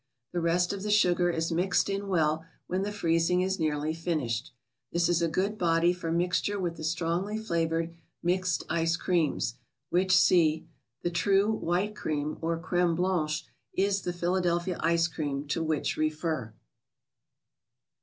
The rest of the sugar is mixed in well when the freezing is nearly finished. This is a good body for mixture with the strongly flavored " Mixed Ice Creams," which see. The true "White Cream," or Crime Blanche , is the " Philadelphia Ice Cream," to which refer.